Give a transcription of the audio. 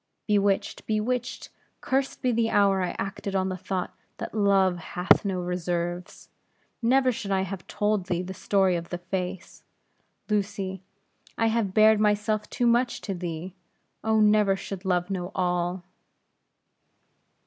"Bewitched! bewitched! Cursed be the hour I acted on the thought, that Love hath no reserves. Never should I have told thee the story of that face, Lucy. I have bared myself too much to thee. Oh, never should Love know all!"